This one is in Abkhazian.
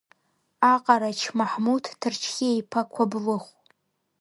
Аҟарач Маҳмуҭ, Ҭарчхиа-иԥа Қәаблыхә.